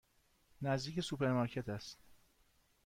نزدیک سوپرمارکت است.